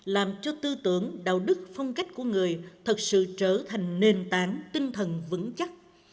làm cho tư tưởng đạo đức phong cách của người thật sự trở thành nền tảng tinh thần vững chắc